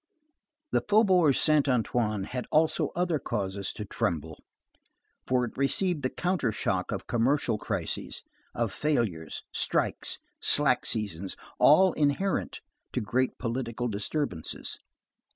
The Faubourg Saint Antoine had also other causes to tremble; for it received the counter shock of commercial crises, of failures, strikes, slack seasons, all inherent to great political disturbances.